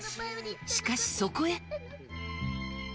しかし、そこへ。